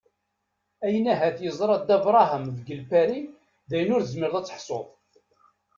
Ayen ahat yeẓra Dda Brahem deg Lpari dayen ur tezmireḍ ad teḥsuḍ.